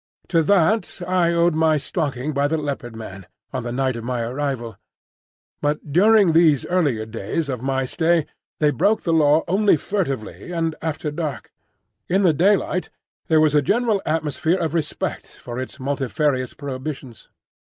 To that I owed my stalking by the Leopard man, on the night of my arrival. But during these earlier days of my stay they broke the Law only furtively and after dark; in the daylight there was a general atmosphere of respect for its multifarious prohibitions.